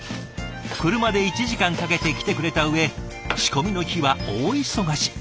車で１時間かけて来てくれたうえ仕込みの日は大忙し。